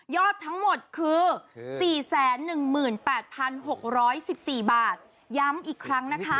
ทั้งหมดคือ๔๑๘๖๑๔บาทย้ำอีกครั้งนะคะ